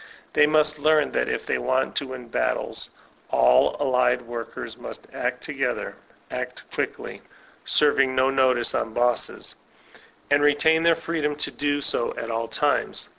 They must learn that if they want to win battles, all allied workers must act together, act quickly (serving no notice on bosses), and retain their freedom so to do at all times.